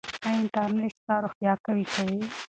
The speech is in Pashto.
ایا انټرنیټ ستا روحیه قوي کوي؟